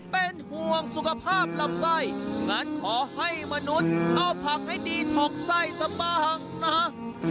เป็นห่วงสุขภาพลำไส้งั้นขอให้มนุษย์เอาผักให้ดีถกไส้สบายหากนะ